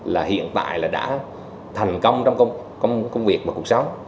là hiện tại là đã thành công trong công việc và cuộc sống